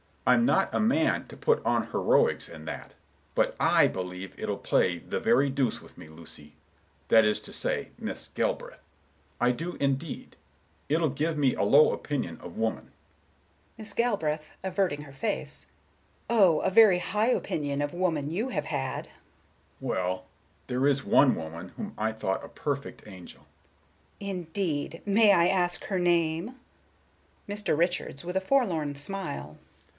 I'm not a man to put on heroics and that; but I believe it'll play the very deuce with me, Lucy,—that is to say, Miss Galbraith,—I do indeed. It'll give me a low opinion of woman." Miss Galbraith, averting her face: "Oh, a very high opinion of woman you have had!" Mr. Richards, with sentiment: "Well, there was one woman whom I thought a perfect angel." Miss Galbraith: "Indeed! May I ask her name?" Mr. Richards, with a forlorn smile.